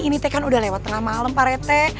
ini teh kan udah lewat tengah malam pak rete